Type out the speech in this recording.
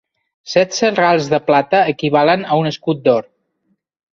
Setze rals de plata equivalen a un escut d'or.